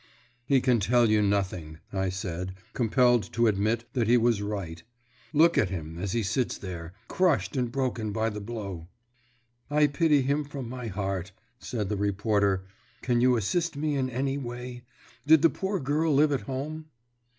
"He can tell you nothing," I said, compelled to admit that he was right. "Look at him as he sits there, crushed and broken down by the blow." "I pity him from my heart," said the reporter. "Can you assist me in any way? Did the poor girl live at home?"